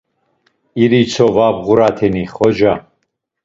İritzo va bğurateni xoca?